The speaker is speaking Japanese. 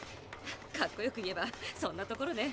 かっこよく言えばそんなところね。